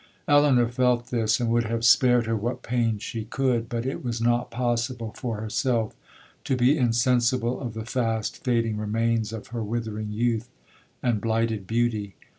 'Elinor felt this, and would have spared her what pain she could; but it was not possible for herself to be insensible of the fast fading remains of her withering youth and blighted beauty.